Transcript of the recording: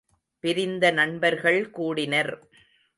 பிரிந்த நண்பர்கள் கூடினர்.